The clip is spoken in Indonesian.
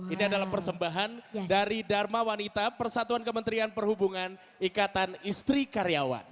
ini adalah persembahan dari dharma wanita persatuan kementerian perhubungan ikatan istri karyawan